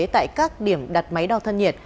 tại các điểm đặt máy đo thân nhiệt